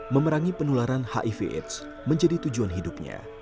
memerangi penularan hiv aids menjadi tujuan hidupnya